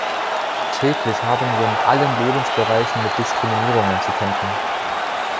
Täglich haben wir in allen Lebensbereichen mit Diskriminierungen zu kämpfen.